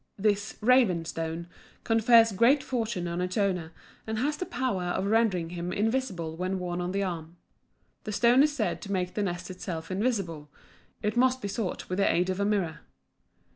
This "raven stone" confers great fortune on its owner, and has the power of rendering him invisible when worn on the arm. The stone is said to make the nest itself invisible; it must be sought with the aid of a mirror.